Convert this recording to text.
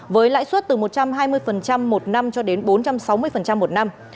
với lãi suất từ một trăm hai mươi một năm cho đến bốn trăm sáu mươi một năm